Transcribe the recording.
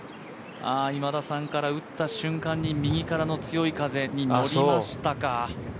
今田さんから、打った瞬間に右からの強い風にのりましたか。